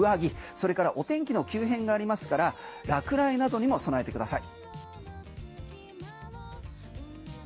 それからお天気の急変がありますから落雷などにも備えてください。